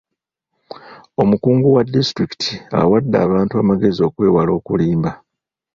Omukungu wa disitulikiti awadde abantu amagezi okwewala okulimba.